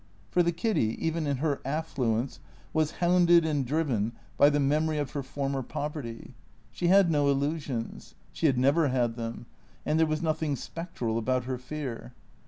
For the Kiddy, even in her affluence, was hounded and driven by the memory of her former poverty. She luid no illusions. She had never had them ; and there was nothing spectral about her fear.